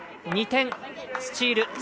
２点スチール。